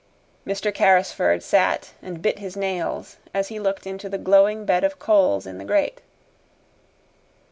Mr. Carrisford sat and bit his nails as he looked into the glowing bed of coals in the grate.